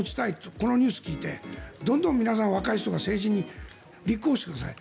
このニュースを聞いてどんどん若い人が政治に立候補してください。